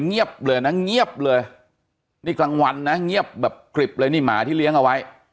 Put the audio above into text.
เงียบเลยนะเงียบเลยนี่กลางวันนะเงียบแบบกริบเลยนี่หมาที่เลี้ยงเอาไว้